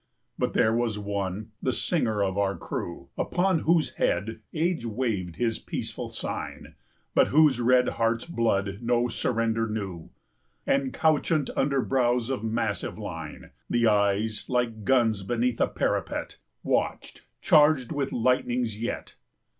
] But there was one, the Singer of our crew, Upon whose head Age waved his peaceful sign, But whose red heart's blood no surrender knew; And couchant under brows of massive line, 40 The eyes, like guns beneath a parapet, Watched, charged with lightnings yet.